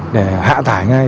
để hạ thải ngay